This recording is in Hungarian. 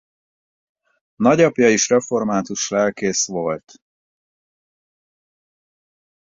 Nagyapja is református lelkész volt.